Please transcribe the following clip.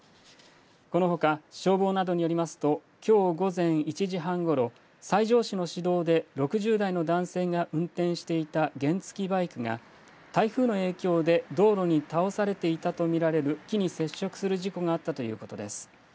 このほか消防などによりますときょう午前１時半ごろ、西条市の市道で６０代の男性が運転していた原付きバイクが台風の影響で道路に倒されていたと見られる木に接触する事故があったということです。